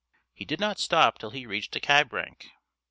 He did not stop till he reached a cab rank.